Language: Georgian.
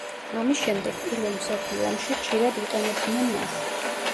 ამის შემდეგ, პირველ მსოფლიო ომში ხშირად იყენებდნენ მას.